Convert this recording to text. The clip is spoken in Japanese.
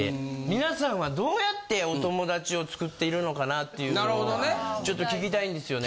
皆さんはどうやってお友達を作っているのかなっていうのをちょっと聞きたいんですよね。